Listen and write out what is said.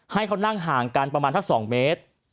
ให้เขานั่งห่างกันประมาณสัก๒เมตร